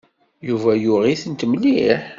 Yuba yuɣ-itent mliḥ.